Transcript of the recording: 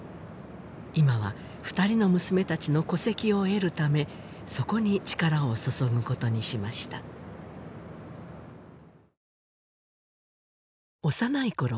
今は二人の娘たちの戸籍を得るためそこに力を注ぐことにしました幼いころ